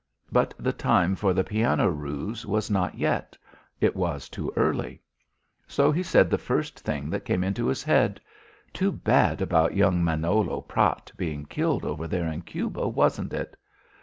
But the time for the piano ruse was not yet; it was too early. So he said the first thing that came into his head: "Too bad about young Manolo Prat being killed over there in Cuba, wasn't it?"